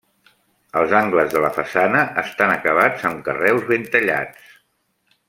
Els angles de la façana estan acabats amb carreus ben tallats.